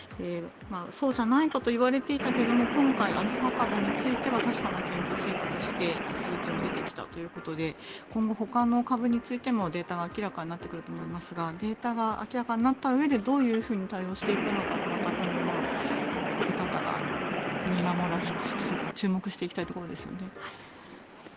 そうじゃないかといわれていたけども今回、アルファ株については確かな研究成果として数値も出てきたということで今後、ほかの株についてもデータが明らかになってくると思いますがデータが明らかになったうえでどう対応していくのかまた今後の出方が見守られますというか注目していきたいところですね。